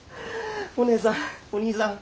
お姉さんお兄さん